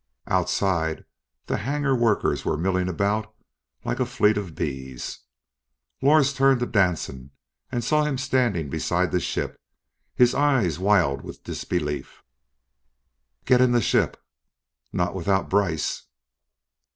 Outside, the hanger workers were milling about like a fleet of bees. Lors turned to Danson and saw him standing beside the ship, his eyes wild with disbelief. "Get in the ship!" "Not without Brice!"